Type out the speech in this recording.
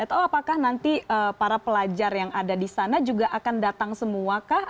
atau apakah nanti para pelajar yang ada di sana juga akan datang semua kah